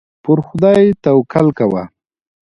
پر خدای توکل کوه.